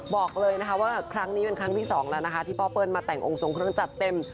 บอกเลยนะคะว่าครั้งนี้เป็นครั้งที่สองแล้วนะคะที่พ่อเปิ้ลมาแต่งองค์ทรงเครื่องจัดเต็ม